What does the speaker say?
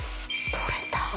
取れた。